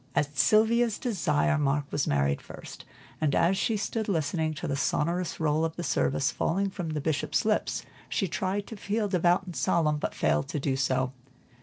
At Sylvia's desire, Mark was married first, and as she stood listening to the sonorous roll of the service falling from the Bishop's lips, she tried to feel devout and solemn, but failed to do so.